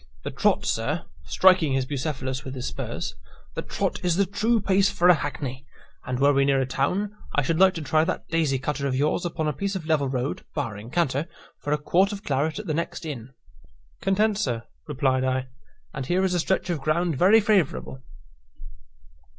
The trot, sir" (striking his Bucephalus with his spurs), "the trot is the true pace for a hackney; and, were we near a town, I should like to try that daisy cutter of yours upon a piece of level road (barring canter) for a quart of claret at the next inn." "Content, sir," replied I; "and here is a stretch of ground very favourable."